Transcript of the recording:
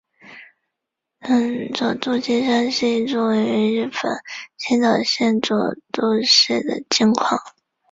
佐渡金山是一座位于日本新舄县佐渡市的金矿。